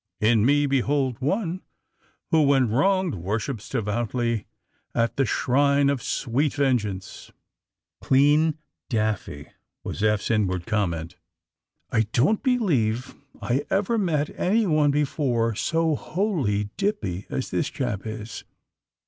In me behold one who, when wronged, worships devoutly at the shrine of sweet vengeance !"*' Clean daffy!" was Eph's inward comment. '^I don't believe I ever met anyone before so wholly dippy as this chap is."